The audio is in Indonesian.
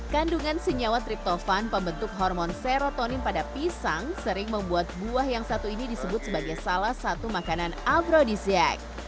kandungan senyawa triptofan pembentuk hormon serotonin pada pisang sering membuat buah yang satu ini disebut sebagai salah satu makanan agrodisiak